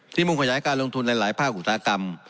ที่มุมพยายามการลงทุนในหลายภาคกุศากรรม